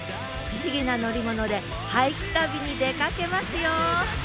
不思議な乗り物で俳句旅に出かけますよ！